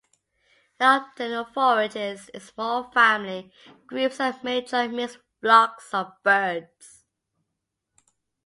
It often forages in small family groups and may join mixed flocks of birds.